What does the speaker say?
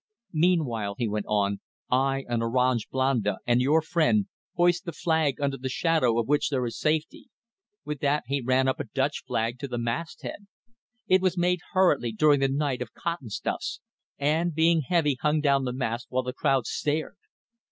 Meantime, he went on, I, an Orang Blanda and your friend, hoist the flag under the shadow of which there is safety. With that he ran up a Dutch flag to the mast head. It was made hurriedly, during the night, of cotton stuffs, and, being heavy, hung down the mast, while the crowd stared.